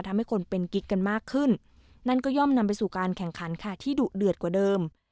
ทำให้คนเป็นกิ๊กกันมากขึ้นนั่นก็ย่อมนำไปสู่การแข่งขันค่ะที่ดุเดือดกว่าเดิม